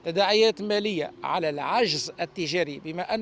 tanda yang berdasarkan kemampuan perniagaan